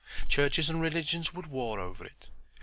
Churches and religions would war over it.